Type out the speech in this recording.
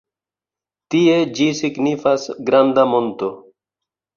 Tie ĝi signifas "granda monto".